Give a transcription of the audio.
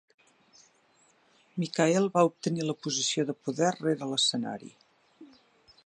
Mikael va obtenir una posició de poder rere l'escenari.